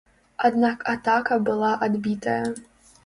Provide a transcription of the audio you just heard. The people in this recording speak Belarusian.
Аднак атака была адбітая.